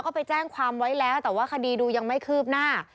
ก็ไปแจ้งความไว้แล้วแต่ว่าคดีดูยังไม่คืบหน้า